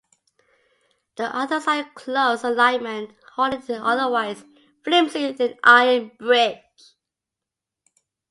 The others are in close alignment holding an otherwise flimsy thin iron bridge.